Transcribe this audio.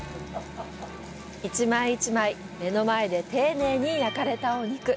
１枚１枚、目の前で丁寧に焼かれたお肉。